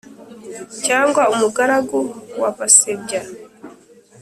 Cyangwa umugaragu wa Basebya